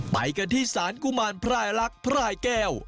ไปกันที่สารกุมารพลายรักพลายแก้ว